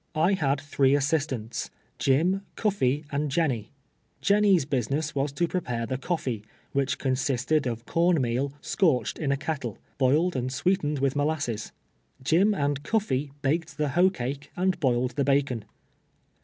I had three assistants, Jim, Cufiee and Jenny. Jenny's business was to prepare the coffee, which consisted of corn meal scorched in a kettle, boiled and sweetened with molasses. Jim and Cuffee baked the hoe cake and boiled the bacon.